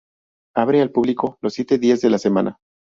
Abre al público los siete días de la semana.